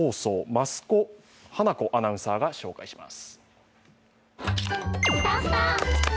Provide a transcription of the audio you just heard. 増子華子アナウンサーが紹介します。